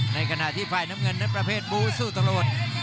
ในขณะที่ฝ่ายน้ำเงินนั้นประเภทบูสู้ตลอด